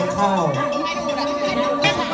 อาจารย์สะเทือนครูดีศิลปันติน